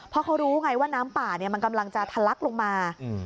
เพราะเขารู้ไงว่าน้ำป่ามันกำลังจะทะลักลงมา